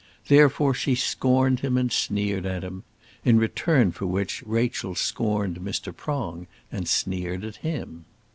Therefore she scorned him and sneered at him. In return for which Rachel scorned Mr. Prong and sneered at him.